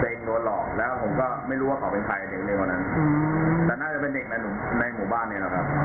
แต่เองโดนหลอกแล้วผมก็ไม่รู้ว่าเขาเป็นใครเด็กนักเรียนก่อนหน้านั้นแต่น่าจะเป็นเด็กในหมู่บ้านนี้หรอครับ